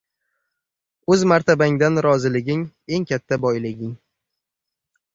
O‘z martabangdan roziliging – eng katta boyliging.